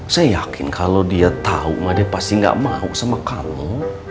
saya yakin kalau dia tahu mah dia pasti gak mau sama kamu